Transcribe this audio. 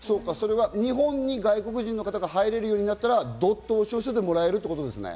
日本に外国人の方が入れるようになったら、どっと押し寄せてもらえるってことですね。